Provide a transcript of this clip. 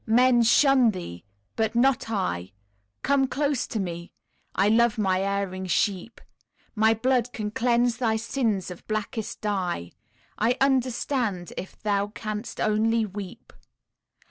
"Men shun thee but not I, Come close to me I love my erring sheep. My blood can cleanse thy sins of blackest dye, I understand, if thou canst only weep."